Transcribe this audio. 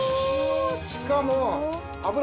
しかも。